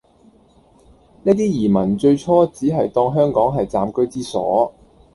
呢啲移民最初只係當香港係暫居之所